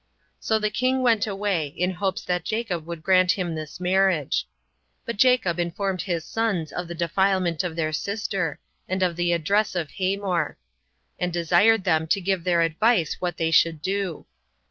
So the king went away, in hopes that Jacob would grant him this marriage. But Jacob informed his sons of the defilement of their sister, and of the address of Hamor; and desired them to give their advice what they should do.